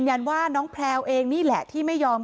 คำให้การในกอล์ฟนี่คือคำให้การในกอล์ฟนี่คือ